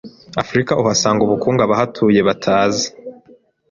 Afurika uhasanga ubukungu abahatuye batazi.